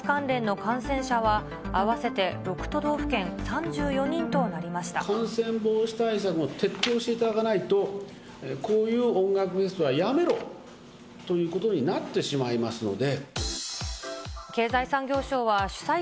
感染防止対策を徹底していただかないと、こういう音楽フェスはやめろということになってしまいますので。